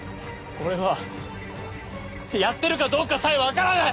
俺はやってるかどうかさえ分からない！